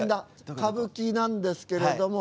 歌舞伎なんですけれども。